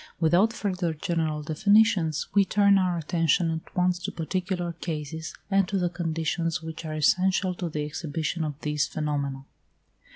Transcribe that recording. Without further general definitions, we turn our attention at once to particular cases, and to the conditions which are essential to the exhibition of these phenomena.